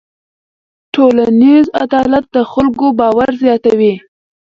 ټولنیز عدالت د خلکو باور زیاتوي.